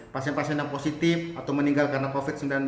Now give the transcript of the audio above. pasien pasien yang positif atau meninggal karena covid sembilan belas